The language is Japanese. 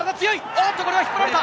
おっと、これは引っ張られた。